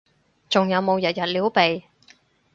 仲有冇日日撩鼻？